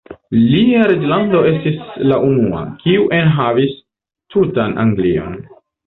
Lia reĝlando estis la unua, kiu enhavis tutan Anglion.